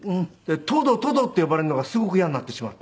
「とどとど」って呼ばれるのがすごく嫌になってしまって。